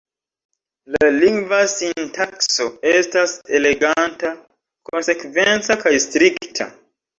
La lingva sintakso estas eleganta, konsekvenca kaj strikta.